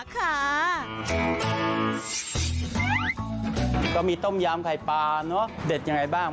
ก็มีต้มยำไข่ปลาเนอะเด็ดยังไงบ้าง